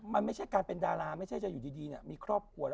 มันไม่ใช่การเป็นดาราไม่ใช่จะอยู่ดีมีครอบครัวแล้ว